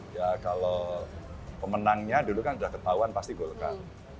ya kalau pemenangnya dulu kan sudah ketahuan pasti golkar